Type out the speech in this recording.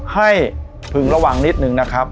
พึงระวังนิดนึงนะครับ